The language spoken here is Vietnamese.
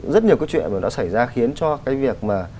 rất nhiều cái chuyện mà nó xảy ra khiến cho cái việc mà